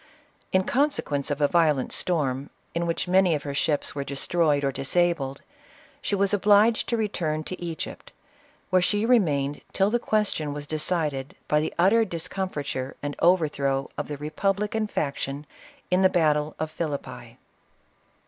In consequence of a violent storm, in which many of her ships were destroyed or disabled, she was obliged to return to Egypt, where she remained till the question was de cided by the utter discomfiture and overthrow of the republican faction in the battle of Philippi.